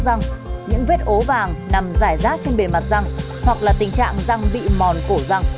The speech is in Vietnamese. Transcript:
rằng những vết ố vàng nằm rải rác trên bề mặt răng hoặc là tình trạng răng vị mòn cổ răng